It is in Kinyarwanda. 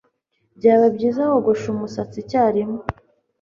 Byaba byiza wogoshe umusatsi icyarimwe.